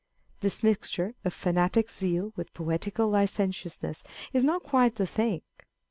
This mixture of fanatic zeal with poetical licen tiousness is not quite the thing.